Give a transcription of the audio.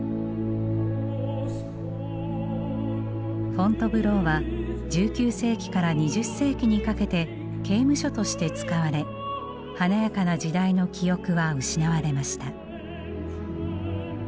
フォントヴローは１９世紀から２０世紀にかけて刑務所として使われ華やかな時代の記憶は失われました。